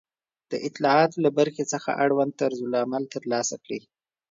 د اطلاعاتو له برخې څخه اړوند طرزالعمل ترلاسه کړئ